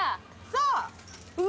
そう。